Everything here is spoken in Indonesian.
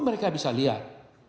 mereka bisa lihat